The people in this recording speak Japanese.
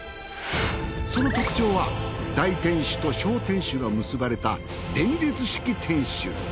その特徴は大天守と小天守が結ばれた連立式天守。